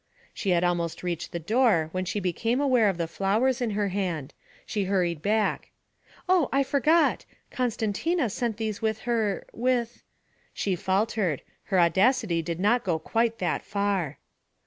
She had almost reached the door when she became aware of the flowers in her hand; she hurried back. 'Oh, I forgot! Costantina sent these with her with ' She faltered; her audacity did not go quite that far.